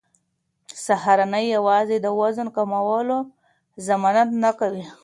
سهارنۍ یوازې د وزن کمولو ضمانت نه کوي.